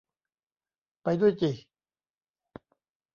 ไปด้วยจิ